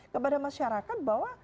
kepada masyarakat bahwa